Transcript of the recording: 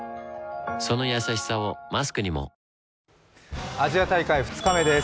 そのやさしさをマスクにもアジア大会２日目です。